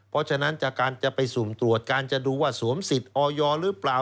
เพราะฉะนั้นจากการจะไปสุ่มตรวจการจะดูว่าสวมสิทธิ์ออยหรือเปล่า